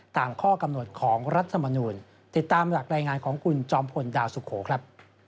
ตามข้อกำหนดของรัฐมนูลติดตามหลักรายงานของคุณจอมพลดาวสุโขครับ